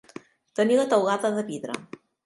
Tenir la teulada de vidre.